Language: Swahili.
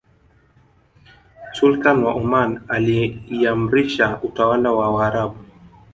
sultan wa oman aliimarisha utawala wa waarabu